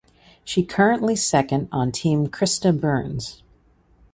She currently second on Team Krysta Burns.